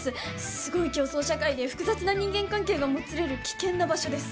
すごい競争社会で複雑な人間関係がもつれる危険な場所です